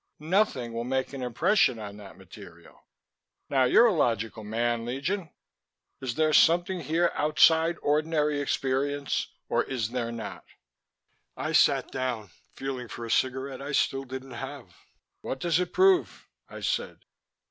Nothing will make an impression on that material. Now, you're a logical man, Legion. Is there something here outside ordinary experience or is there not?" I sat down, feeling for a cigarette. I still didn't have. "What does it prove?" I said.